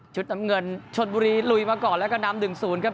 ชุดน้ำเงินชนบุรีลุยมาก่อนแล้วก็นำหนึ่งศูนย์ครับ